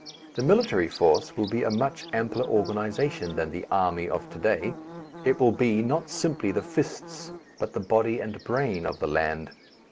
The military force will be a much ampler organization than the "army" of to day, it will be not simply the fists but the body and brain of the land.